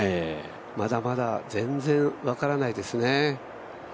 まだまだ全然分からないですね。